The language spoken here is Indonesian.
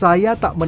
hari yang sama